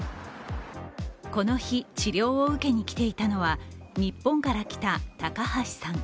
この日、治療を受けに来ていたのは日本から来た、高橋さん。